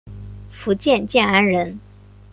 福建建安人。